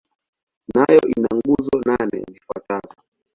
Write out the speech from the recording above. Nayo ina nguzo nane zifuatazo.